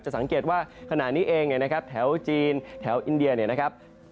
สังเกตว่าขณะนี้เองเนี่ยนะครับแถวจีนแถวอินเดียเนี่ยนะครับ